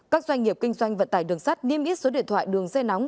các doanh nghiệp kinh doanh vận tải đường sắt niêm yết số điện thoại đường dây nóng